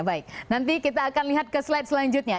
baik nanti kita akan lihat ke slide selanjutnya